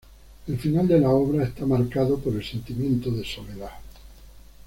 El final de la obra está marcado por el sentimiento de soledad.